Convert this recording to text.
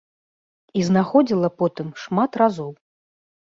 І знаходзіла потым шмат разоў.